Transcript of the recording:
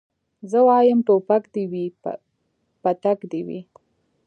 زه وايم ټوپک دي وي پتک دي وي